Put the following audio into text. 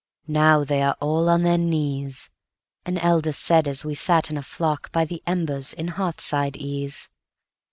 "Now they are all on their knees,"An elder said as we sat in a flock By the embers in hearthside ease.